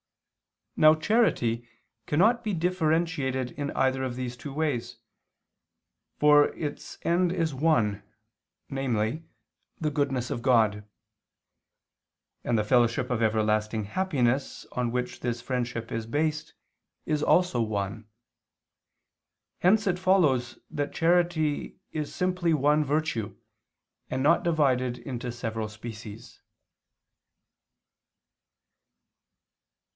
Now charity cannot be differentiated in either of these ways: for its end is one, namely, the goodness of God; and the fellowship of everlasting happiness, on which this friendship is based, is also one. Hence it follows that charity is simply one virtue, and not divided into several species.